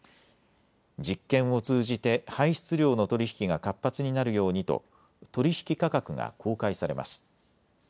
実験を通じて排出量の取り引きが活発になるようにと取引価格が公開されます。